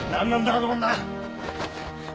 あの女！